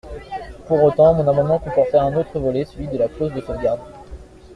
Pour autant, mon amendement comportait un autre volet, celui de la clause de sauvegarde.